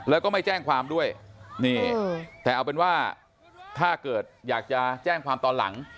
แล้วก็ไม่แจ้งความด้วยนี่แต่เอาเป็นว่าถ้าเกิดอยากจะแจ้งความตอนหลัง